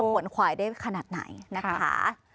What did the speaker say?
ว่าจะผลควายได้ขนาดไหนนะคะ